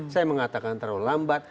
saya mengatakan terlalu lambat